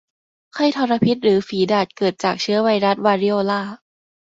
ไข้ทรพิษหรือฝีดาษเกิดจากเชื้อไวรัสวาริโอลา